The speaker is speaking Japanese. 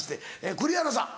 栗原さん